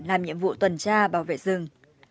làm nhiệm vụ tuần tra bảo vệ rừng